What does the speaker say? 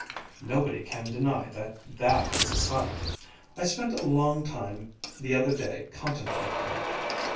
Nobody can deny that that is a sight. I spent a long time the other day contemplating it.